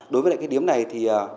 đối với cái điếm này thì